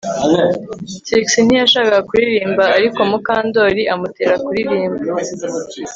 Trix ntiyashakaga kuririmba ariko Mukandoli amutera kuririmba